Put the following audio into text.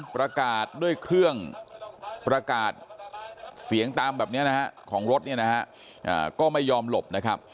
ประกาศด้วยเครื่องประกาศเสียงตามแบบนี้ของรถก็ไม่ยอมหลบ